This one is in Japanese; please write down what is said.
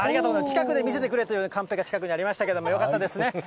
近くで見せてくれというカンペが近くにありましたけど、よかったですね。